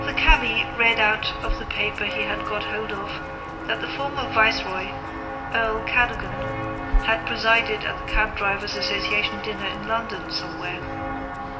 The cabby read out of the paper he had got hold of that the former viceroy, earl Cadogan, had presided at the cabdrivers' association dinner in London somewhere.